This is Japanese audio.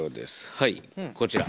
はいこちら。